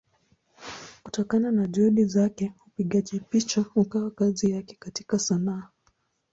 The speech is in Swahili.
Kutokana na Juhudi zake upigaji picha ukawa kazi yake katika Sanaa.